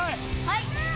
はい！